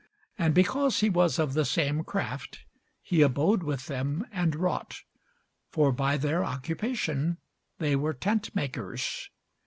And because he was of the same craft, he abode with them, and wrought: for by their occupation they were tentmakers.